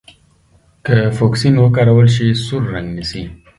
که فوکسین وکارول شي سور رنګ نیسي.